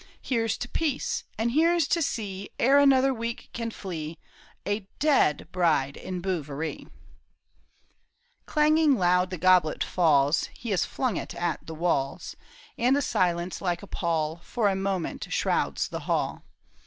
Here's to peace ! and here's to see Ere another week can flee, A dead bride in Bouverie." THE TOWER OF BO UV ERIE. jr Clanging loud the goblet falls ; He has flung it at the walls, And a silence like a pall For a moment shrouds the hall.